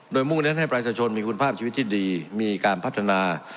โดยมุ่งเน้นให้ประชาชนมีคุณภาพชีวิตที่ดีมีการพัฒนา